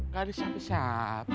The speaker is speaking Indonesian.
gak ada siapa siapa